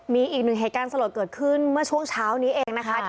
มีอีกหนึ่งเหตุการณ์สลดเกิดขึ้นเมื่อช่วงเช้านี้เองนะคะ